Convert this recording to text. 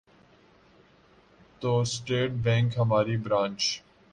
تو state bank ہماری branch